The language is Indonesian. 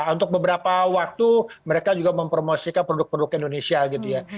untuk beberapa waktu mereka juga mempromosikan produk produk indonesia